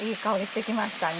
してきましたね。